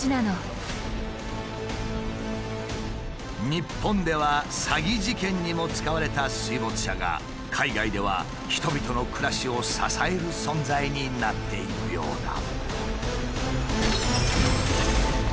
日本では詐欺事件にも使われた水没車が海外では人々の暮らしを支える存在になっているようだ。